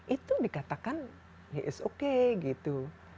itu dikatakan he is okay gitu